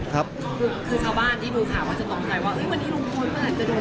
คือข้าวบ้านที่ดูข่าวว่าจะต้องใจว่าเอ้ยมันนี่ลุงพลมันอาจจะโดน